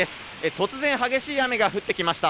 突然、激しい雨が降ってきました。